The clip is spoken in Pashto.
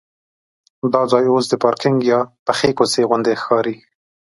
دا ځای اوس د پارکینک یا پخې کوڅې غوندې ښکاري.